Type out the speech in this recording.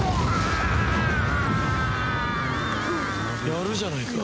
やるじゃないか。